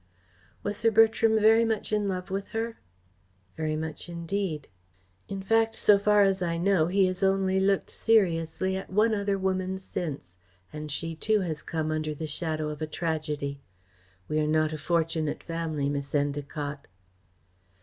"Was Sir Bertram very much in love with her?" "Very much indeed. In fact, so far as I know, he has only looked seriously at one other woman since, and she too has come under the shadow of a tragedy. We are not a fortunate family, Miss Endacott."